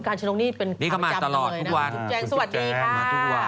กาลจรงศ์นี้เขาก็มาตลอดทีุ่้บแจงสวัสดีค่ะ